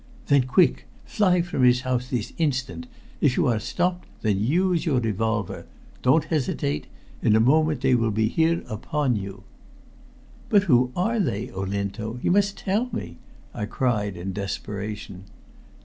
"Then quick! Fly from this house this instant. If you are stopped, then use your revolver. Don't hesitate. In a moment they will be here upon you." "But who are they, Olinto? You must tell me," I cried in desperation.